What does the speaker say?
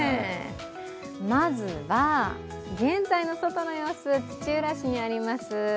まずは、現在の外の様子、土浦市にあります